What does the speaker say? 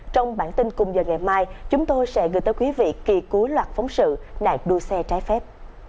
trong bản tin cùng giờ ngày mai chúng tôi sẽ gửi tới quý vị kỳ cuối loạt phóng sự nạn đua xe trái phép